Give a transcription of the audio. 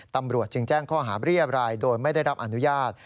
ตำรวจจึงแจ้งข้อหาเรียบรายโดยไม่ได้รับอนุญาต